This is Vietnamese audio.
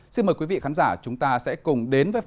xin mời quý vị khán giả chúng ta sẽ cùng đến với